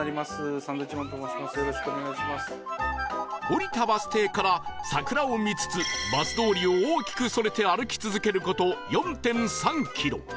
降りたバス停から桜を見つつバス通りを大きくそれて歩き続ける事 ４．３ キロ